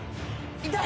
痛い！